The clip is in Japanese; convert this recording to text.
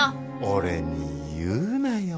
俺に言うなよ。